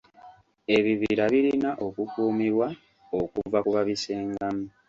Ebibira birina okukuumibwa okuva ku babisengamu.